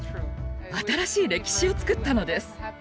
新しい歴史を作ったのです。